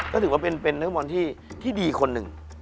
ก็ถือว่าเป็นเฮ้ดมอนต์ที่ดีคนหนึ่ง